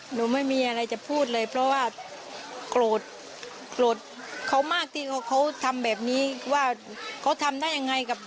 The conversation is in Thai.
หนูไม่มีอะไรจะพูดเลยเพราะว่าโกรธเค้าทำแบบนี้เขาทำได้อย่างไง